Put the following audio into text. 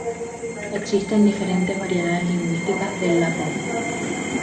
Existen diferentes variedades lingüísticas del lapón.